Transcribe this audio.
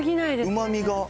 うまみが。